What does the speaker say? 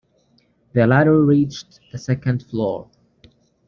The ladder reached the second floor.